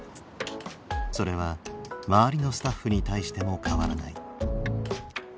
それは周りのスタッフに対しても変わらない。